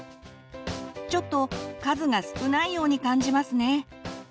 ちょっと数が少ないように感じますね。